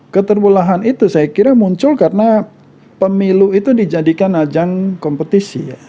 keterbelahan itu saya kira muncul karena pemilu itu dijadikan ajang kompetisi